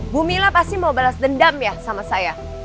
bu mila pasti mau balas dendam ya sama saya